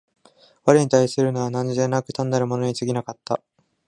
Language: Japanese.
我に対するのは汝でなく、単なる物に過ぎなかった。